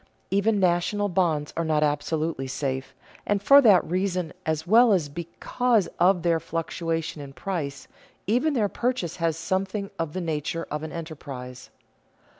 Even national bonds are not absolutely safe, and for that reason as well as because of their fluctuation in price, even their purchase has something of the nature of an enterprise.